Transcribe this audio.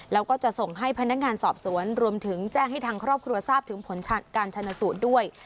แล้วก็จะส่งให้พนักงานสอบสวนรวมถึงแจ้งให้ทางครอบครัวทราบถึงผลการชนสูตรด้วย